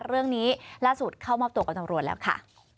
เรื่องนี้ล่าสุดเข้ามอบตัวกับตำรวจแล้วค่ะ